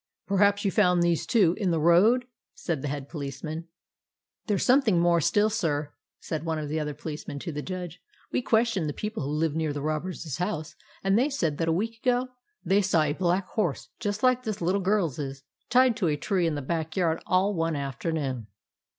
" Perhaps you found these, too, in the road," said the Head Policeman. " There 's something more still, sir," said one of the other policemen to the Judge. 11 We questioned the people who live near the robbers' house, and they said that a week ago they saw a black horse, just like this little girl's, tied to a tree in the back yard all one afternoon."